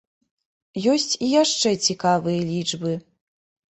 Ёсць і яшчэ цікавыя лічбы.